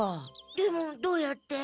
でもどうやって？